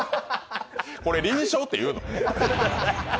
これ、輪唱っていうの？